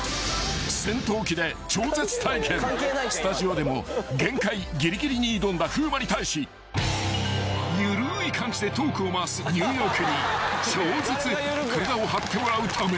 ［戦闘機で超絶体験スタジオでも限界ぎりぎりに挑んだ風磨に対し緩い感じでトークを回すニューヨークに超絶体を張ってもらうため］